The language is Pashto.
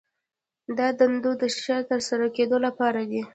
دا د دندو د ښه ترسره کیدو لپاره دي.